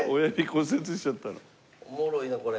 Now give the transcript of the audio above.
おもろいなこれ。